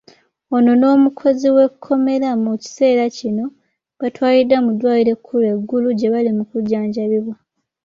Ono n’omukozi w’ekkomera mu kiseera kino batwaliddwa mu ddwaliro ekkulu e Gulu gye bali mukujjanjabibwa.